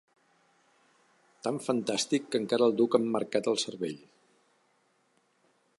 Tan fantàstic que encara el duc emmarcat al cervell.